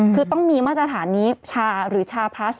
คือต้องมีมาตรฐานนี้ชาหรือชาพลัส